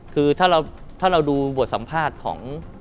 คือถ้าเราดูบทสัมภาษณ์ของ